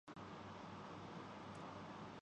غیظ و غضب کا ہدف بن جا تا ہے۔